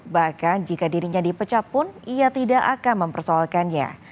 bahkan jika dirinya dipecat pun ia tidak akan mempersoalkannya